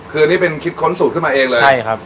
คืออันนี้เป็นคิดค้นสูตรขึ้นมาเองเลยใช่ครับ